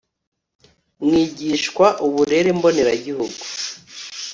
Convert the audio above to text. mwigishwa uburere mboneragihugu